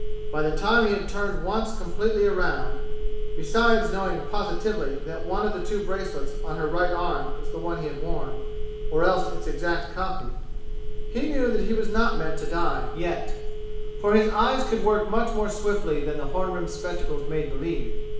By the time he had turned once completely around, besides knowing positively that one of the two bracelets on her right arm was the one he had worn, or else its exact copy, he knew that he was not meant to die yet; for his eyes could work much more swiftly than the horn rimmed spectacles made believe.